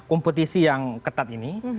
kompetisi yang ketat ini